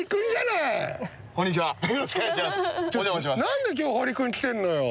何で今日ホリ君来てんのよ！